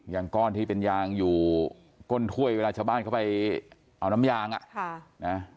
อย่างก้อนที่เป็นยางอยู่ก้นถ้วยเวลาชาวบ้านเข้าไปเอาน้ำยางอ่ะนะ